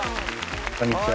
こんにちは。